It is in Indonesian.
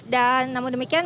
dan namun demikian